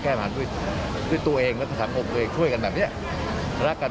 เขาร่วมใจกัน